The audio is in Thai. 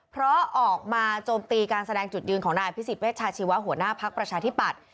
เพราะออกมาโจมตีการแสดงจุดยืนของนายอภิษฎเวชาชีวะหัวหน้าภักดิ์ประชาธิปัตย์